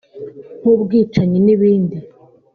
nk’ubwicanyi n’ibindi